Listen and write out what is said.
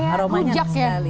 aromanya enak sekali